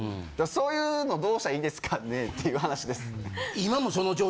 そういうのどうしたらいいんですかねっていう話です。